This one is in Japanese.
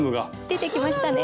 出てきましたね。